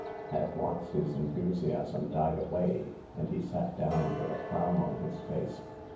" At once his enthusiasm died away, and he sat down, with a frown on his face.